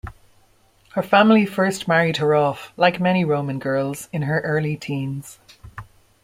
Her family first married her off, like many Roman girls, in her early teens.